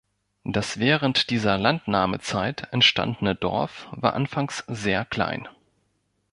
Das während dieser Landnahmezeit entstandene Dorf war anfangs sehr klein.